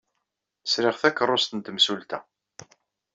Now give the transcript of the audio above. Sriɣ takeṛṛust n temsulta.